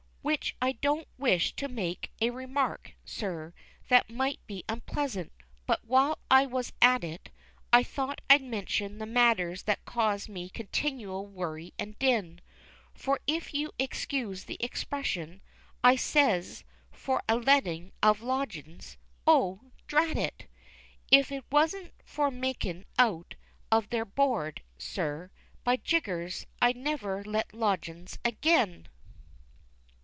Which I don't wish to make a remark, sir, that might be unpleasant, but while I was at it I thought as I'd mention the matters that cause me continual worry and din, For if you excuse the expression, I ses, as for lettin' of lodgins', oh, drat it! "If it wasn't for makin' it out of their board," sir, by jingers, I'd never let lodgins' agin!